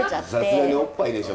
さすがにおっぱいでしょ